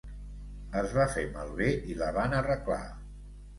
Es va fer malbé i la van arreglar.